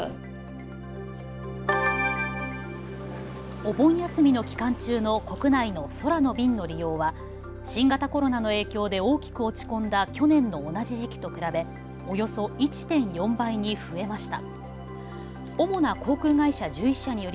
お盆休みの期間中の国内の空の便の利用は新型コロナの影響で大きく落ち込んだ去年の同じ時期と比べおよそ１．４倍に増えました。